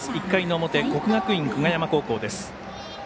１回の表、国学院久我山高校です。